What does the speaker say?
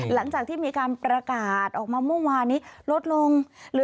หลังจากที่มีการประกาศออกมาเมื่อวานนี้ลดลง